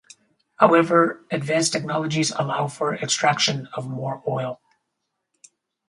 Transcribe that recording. However, advanced technologies allow for extraction of more oil.